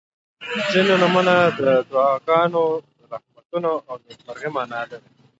• ځینې نومونه د دعاګانو، رحمتونو او نیکمرغۍ معنا لري.